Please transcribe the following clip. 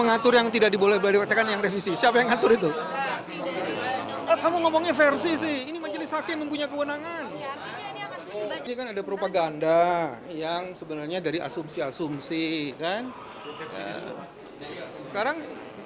ada kontinu ada dong